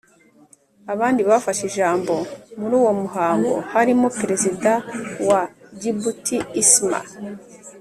Abandi bafashe ijambo muri uwo muhango harimo Perezida wa Djibouti Isma